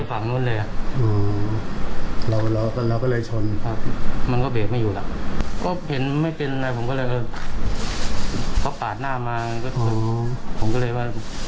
แค่ว่าเออขี้เกียจคุยหญิงแค่อะไรแต่ผมก็รีบไปทำงานด้วย